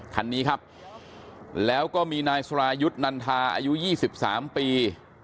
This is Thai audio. คันนี้ครับแล้วก็มีนายสรายุทธ์นันทาอายุ๒๓ปี